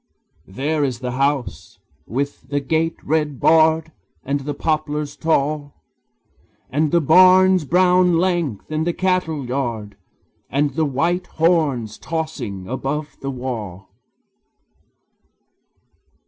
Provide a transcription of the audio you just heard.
There is the house, with the gate red barred, And the poplars tall; And the barn's brown length, and the cattle yard, And the white horns tossing above the wall.